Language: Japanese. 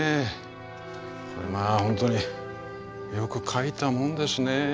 まあ本当によく書いたもんですね。